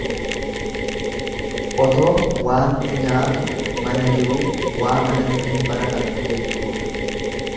Otoo waanti nyaatu mana jiruu waa manatti hin barakatu jechuudha.